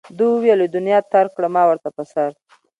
ده وویل له دنیا ترک کړه ما ورته په سر.